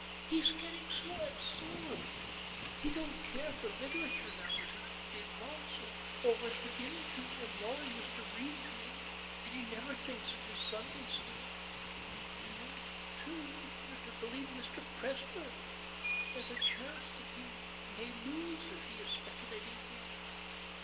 He's getting so absorbed. He don't care for literature now as he did once, or was beginning to when Laura used to read to him; and he never thinks of his Sunday school. And then, too, if you're to believe Mr. Cressler, there's a chance that he may lose if he is speculating again."